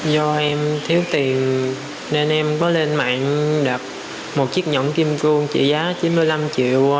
do em thiếu tiền nên em có lên mạng đập một chiếc nhẫn kim cương trị giá chín mươi năm triệu